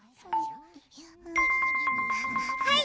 はい！